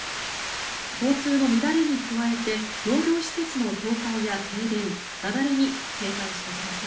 交通の乱れに加えて農業施設の倒壊や停電雪崩に警戒してください。